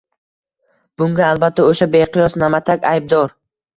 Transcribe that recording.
Bunga, albatta, o`sha beqiyos Na`matak aybdor